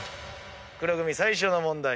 黒組最初の問題